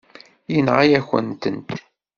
Yenɣa-yakent-t.